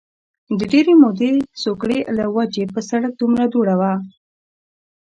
د ډېرې مودې سوکړې له وجې په سړک دومره دوړه وه